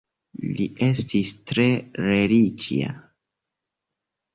Li estis tre religia.